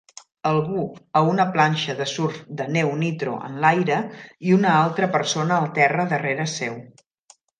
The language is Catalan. Algú a una planxa de surf de neu Nitro en l'aire i una altre persona al terra darrere seu.